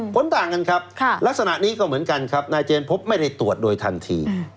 ต่างกันครับลักษณะนี้ก็เหมือนกันครับนายเจนพบไม่ได้ตรวจโดยทันที